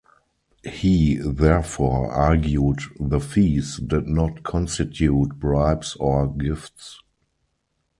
He therefore argued the "fees" did not constitute "bribes" or "gifts".